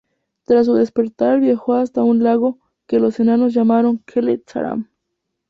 Tras su despertar viajó hasta un lago que los enanos llamaron Kheled-zâram.